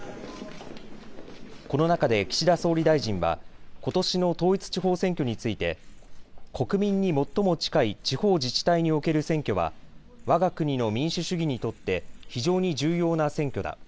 この中で岸田総理大臣はことしの統一地方選挙について国民に最も近い地方自治体における選挙はわが国の民主主義にとって非常に重要な選挙だ。